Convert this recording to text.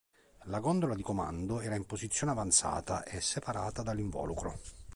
La gondola di comando era in posizione avanzata e separata dall'involucro.